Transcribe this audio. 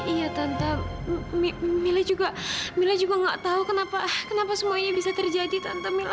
iya tante mila juga gak tahu kenapa semuanya bisa terjadi tante mila